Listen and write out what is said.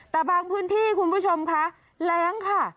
แต่บางพื้นที่คุณผู้ชมคะแรงค่ะ